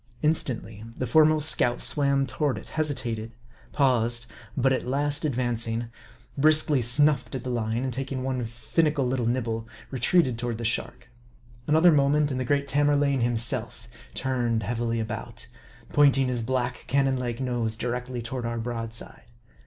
Instantly the foremost scout swam toward it ; hesi tated ; paused ; but at last advancing, briskly snuffed at the MARDL 71 line, and taking one finical little nibble, retreated toward the shark. Another moment, and the great Tamerlane himself turned heavily about ; pointing his black, cannon like nose directly toward our broadside.